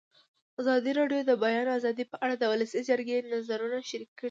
ازادي راډیو د د بیان آزادي په اړه د ولسي جرګې نظرونه شریک کړي.